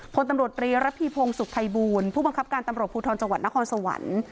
พลตำรวจรีระพีพงศ์สุขภัยบูลผู้บังคับการตำรวจภูทรจังหวัดนครสวรรค์